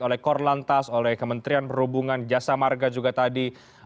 oleh korlantas oleh kementerian perhubungan jasa marga juga tadi